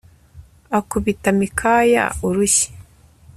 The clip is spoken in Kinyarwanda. akubita mikaya urushyi